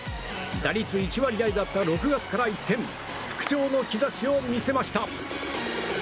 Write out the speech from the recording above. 打率１割台だった６月から一転復調の兆しを見せました。